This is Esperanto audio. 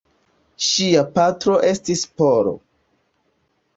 Ŝia patro estis Polo.